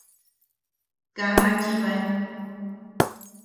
Kaa machibae.